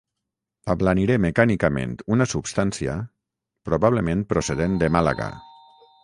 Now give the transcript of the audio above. Ablaniré mecànicament una substància, probablement procedent de Màlaga.